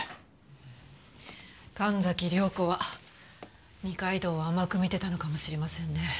神崎涼子は二階堂を甘く見てたのかもしれませんね。